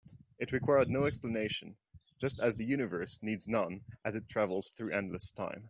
It required no explanation, just as the universe needs none as it travels through endless time.